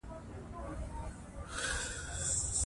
كوچى ، گټيالی ، گړندی ، گلالی ، گلاب ، گران ، گلبڼ